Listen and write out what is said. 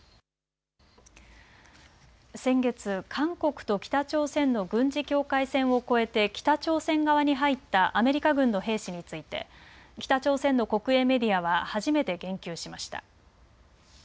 先月、韓国と北朝鮮の軍事境界線を越えて北朝鮮側に入ったアメリカ軍の兵士について北朝鮮の国営メディアは初めて言及しました。